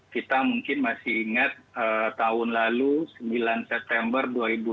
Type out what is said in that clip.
kita mungkin masih ingat tahun lalu sembilan september dua ribu dua puluh